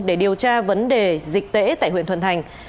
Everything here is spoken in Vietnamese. để điều tra vấn đề dịch tễ tại huyện thuận thành